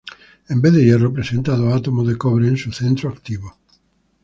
En vez de hierro presenta dos átomos de cobre en su centro activo.